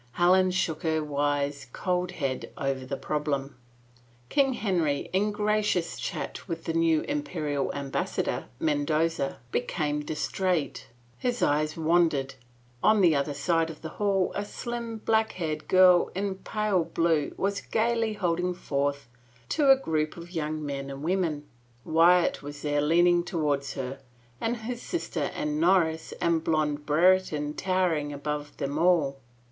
Helen shook her wise, cold head over the problem. King Henry, in gracious chat with the new Imperial Ambassador, Mendoza, became distrait. His eyes wan dered. On the other side of the hall a slim, black haired girl in pale blue was gayly holding forth to a group of young men and women. Wyatt was there leaning towards her, and his sister and Norris and blond Brere ton towering above them all.